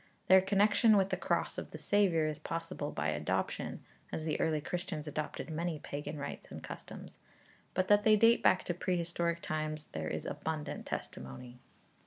Their connection with the cross of the Saviour is possible by adoption as the early Christians adopted many pagan rites and customs but that they date back to pre historic times there is abundant testimony.